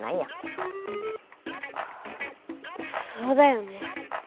ハァそうだよね。